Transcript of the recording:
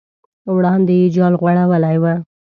وړاندې یې جال غوړولی و.